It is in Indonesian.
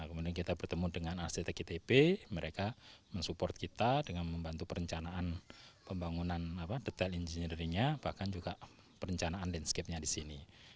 kemudian kita bertemu dengan arct gtp mereka mensupport kita dengan membantu perencanaan pembangunan detail engineeringnya bahkan juga perencanaan landscape nya di sini